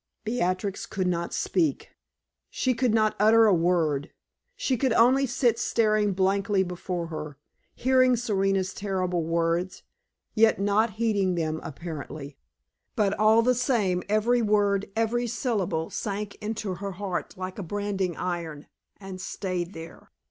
Beatrix could not speak; she could not utter a word; she could only sit staring blankly before her, hearing Serena's terrible words, yet not heeding them apparently. But all the same every word, every syllable, sank into her heart like a branding iron, and stayed there.